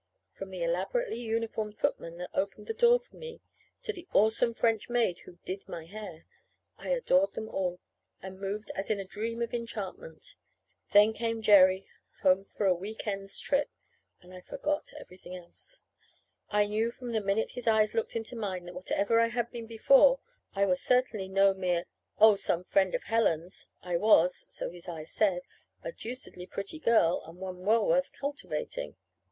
From the elaborately uniformed footman that opened the door for me to the awesome French maid who "did" my hair, I adored them all, and moved as in a dream of enchantment. Then came Jerry home from a week end's trip and I forgot everything else. I knew from the minute his eyes looked into mine that whatever I had been before, I was now certainly no mere "Oh, some friend of Helen's." I was (so his eyes said) "a deucedly pretty girl, and one well worth cultivating."